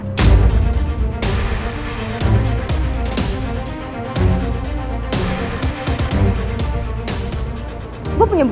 tidak ada apa apa